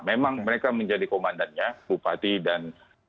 memang mereka menjadi komandannya bupati dan